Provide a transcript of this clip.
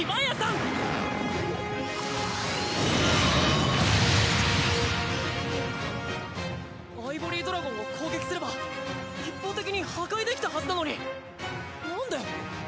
アイボリードラゴンを攻撃すれば一方的に破壊できたはずなのになんで。